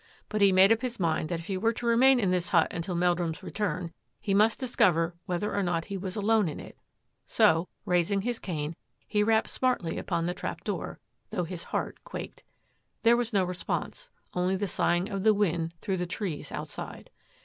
But he made up his mind that if he were to remain in this hut until Meldrum's return, he must discover whether or not he was alone in it, so, raising his cane, he rapped smartly upon the trap door, though his heart quaked. There was no re sponse, only the sighing of the wind through the trees outside.